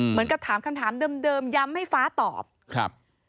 เหมือนกับถามคำถามเดิมย้ำให้ฟ้าตอบครับ